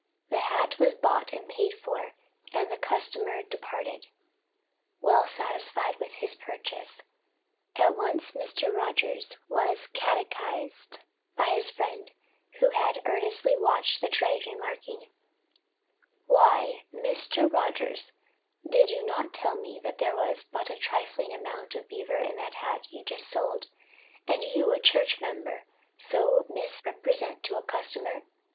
The hat was bought and paid for and the customer departed, well satisfied with his purchase. At once Mr. Rogers was catechised by his friend, who had earnestly watched the trade, remarking: "Why, Mr. Rogers, did you not tell me that there was but a trifling amount of beaver in that hat you just sold, and you, a church member, so misrepresent to a customer?"